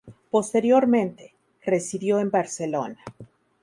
Posteriormente, residió en Barcelona.